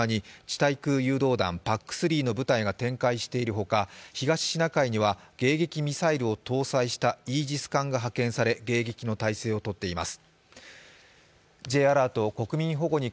対空誘導弾ＰＡＣ３の部隊が展開しているほか東シナ海には迎撃ミサイルを搭載したイージス艦が派遣され、迎撃の態勢をとっています。